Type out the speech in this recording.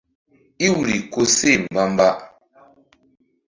Iwri koseh mbamba.